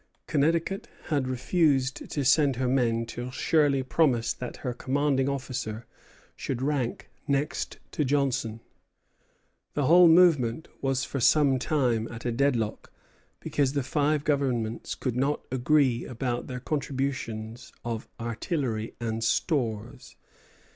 Connecticut had refused to send her men till Shirley promised that her commanding officer should rank next to Johnson. The whole movement was for some time at a deadlock because the five governments could not agree about their contributions of artillery and stores.